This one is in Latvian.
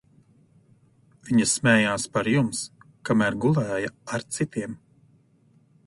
Viņa smējās par jums, kamēr gulēja ar citiem!